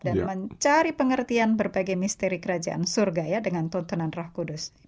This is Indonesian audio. dan mencari pengertian berbagai misteri kerajaan surga dengan tontonan roh kudus